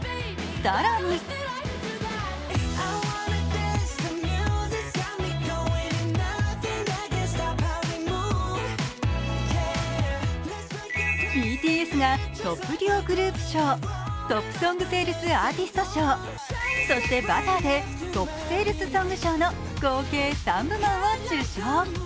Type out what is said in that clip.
更にＢＴＳがトップ・デュオ／グループ賞、トップ・ソング・セールス・アーティスト賞、そして「Ｂｕｔｔｅｒ」でトップ・セールス・ソング賞の合計３部門を受賞。